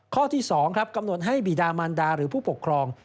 ข้อที่๒ครับกำหนดให้บีดามันดาหรือผู้ปกครอง